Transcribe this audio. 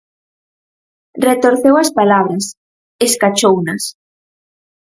Retorceu as palabras, escachounas.